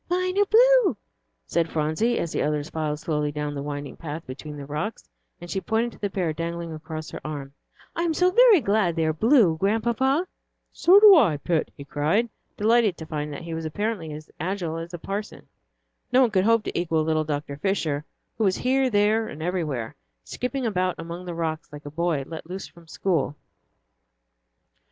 "Mine are blue," said Phronsie, as the others filed slowly down the winding path between the rocks, and she pointed to the pair dangling across her arm. "I am so very glad they are blue, Grandpapa." "So am I, Pet," he cried, delighted to find that he was apparently as agile as the parson. No one could hope to equal little Dr. Fisher, who was here, there, and everywhere, skipping about among the rocks like a boy let loose from school.